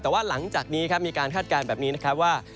แต่ว่าหลังจากนี้ครับมีการคาดการณ์แบบนี้นะครับว่า